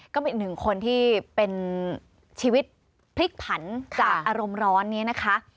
ก็เป็นอีกหนึ่งคนที่เป็นชีวิตพลิกผันจากอารมณ์ร้อนนี้นะคะ